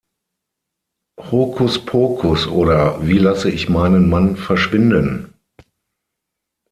Hokuspokus oder: Wie lasse ich meinen Mann verschwinden…?